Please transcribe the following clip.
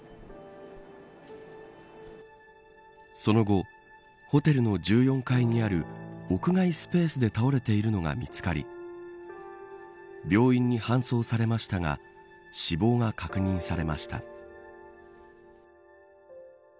その後、ホテルの１４階にある屋外スペースで倒れているのが見つかり病院に搬送されましたが死亡が確認されました。